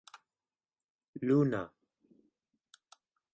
luna